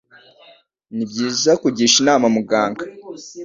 Ni byiza kugisha inama muganga